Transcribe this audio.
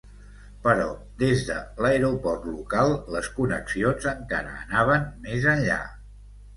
Però des de l’aeroport local les connexions encara anaven més enllà.